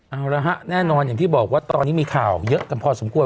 เอาละฮะแน่นอนอย่างที่บอกว่าตอนนี้มีข่าวเยอะกันพอสมควร